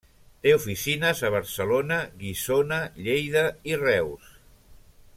Té oficines a Barcelona, Guissona, Lleida i Reus.